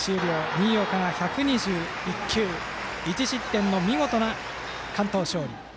新岡が１２１球１失点の見事な完投勝利。